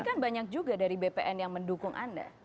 tapi kan banyak juga dari bpn yang mendukung anda